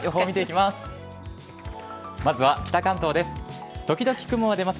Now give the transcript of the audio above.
まずは北関東です。